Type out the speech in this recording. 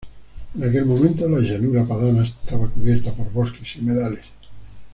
En aquel momento la llanura padana estaba cubierta por bosques y humedales.